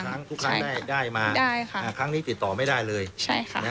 ครั้งทุกครั้งได้ได้มาได้ค่ะอ่าครั้งนี้ติดต่อไม่ได้เลยใช่ค่ะนะฮะ